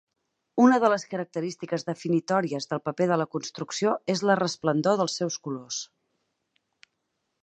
Una de les característiques definitòries del paper de la construcció és la resplendor dels seus colors.